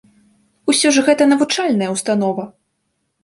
Усё ж гэта навучальная ўстанова!